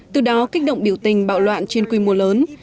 từ đó kích động biểu tình bạo loạn trên quy mô lớn